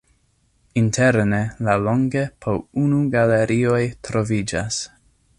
Interne laŭlonge po unu galerioj troviĝas.